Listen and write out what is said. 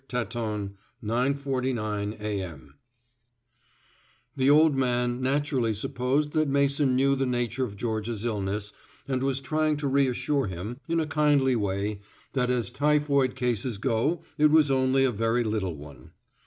Tatton 949 AM The old man naturally supposed that Mason knew the nature of Georgia's illness and was trying to reassure him, in a kindly way, that as typhoid cases go it was only a very little one.